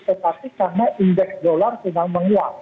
tetapi karena indeks dolar sedang menguat